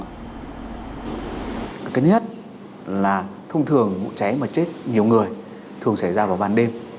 cái nhất là thông thường vụ trái mà chết nhiều người thường xảy ra vào vàn đêm